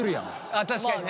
あっ確かにね。